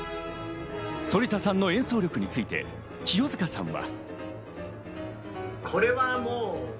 反田さんの演奏力について清塚さんは。